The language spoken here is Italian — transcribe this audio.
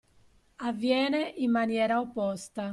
Avviene in maniera opposta.